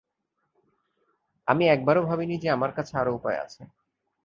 আমি একবারও ভাবিনি যে আমার কাছে আরো উপায় আছে।